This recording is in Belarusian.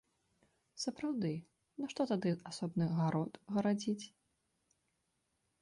Сапраўды, нашто тады асобны гарод гарадзіць?